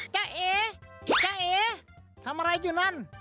จ้าเอจ้าเอ๋ทำอะไรอยู่นั่น